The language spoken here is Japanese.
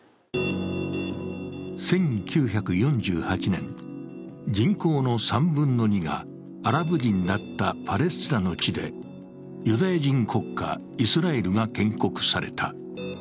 １９４８年、人口の３分の２がアラブ人だったパレスチナの地でユダヤ人国家、イスラエルが建国された。